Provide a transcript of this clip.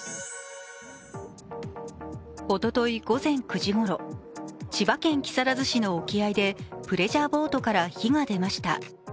おととい午前９時ごろ、千葉県木更津市の沖合でプレジャーボートから火が出ました。